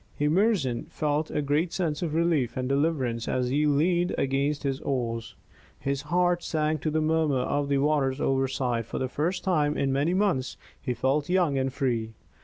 Emerson felt a great sense of relief and deliverance as he leaned against his oars. His heart sang to the murmur of the waters overside; for the first time in many months he felt young and free.